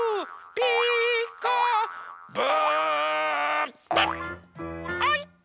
「ピーカーブ！」